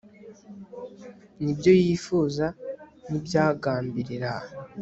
n ibyo yifuza nibyagambirira